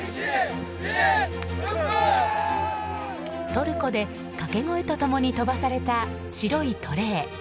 トルコでかけ声と共に飛ばされた白いトレー。